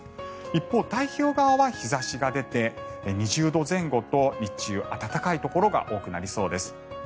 一方、太平洋側は日差しが出て２０度前後と日中、暖かいところが多くなりそうです。